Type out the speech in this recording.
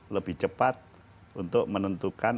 lebih cepat untuk menentukan